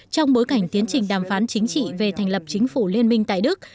trong bối cảnh tiến trình đàm phán chính trị về thành lập chính phủ liên minh tại đức